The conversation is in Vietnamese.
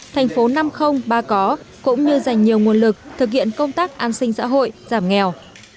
thành phố năm ba có cũng như dành nhiều nguồn lực thực hiện công tác an sinh xã hội giảm nghèo